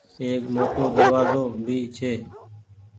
ايڪ موٽو دروآزو ڀي ڇي ۔